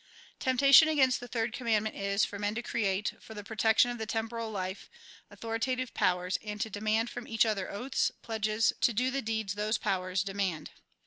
Temptation against the third conmiandment is, for men to create, for the protection of the temporal life, authoritative powers, and to demand from each other oaths, pledges, to do the deeds those powers demand.